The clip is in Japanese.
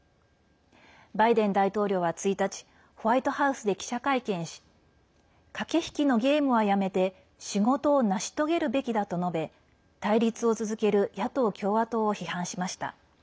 バイデン大統領は１日ホワイトハウスで記者会見し駆け引きのゲームはやめて仕事を成し遂げるべきだと述べ対立を続ける野党・共和党を批判しました。